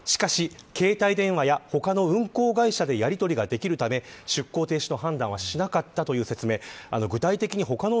しかし、携帯電話や他の運航会社でやりとりができるため出航停止の判断はしなかったという説明。